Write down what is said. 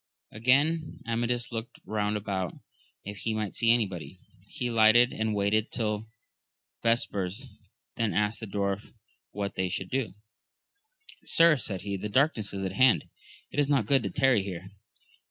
Again Amadis looked round about if he might see anybody ; he alighted and waited till vespers, then asked the dwarf what they should do ? Sir, said he, the darkness is at hand : it is not good to tarry here.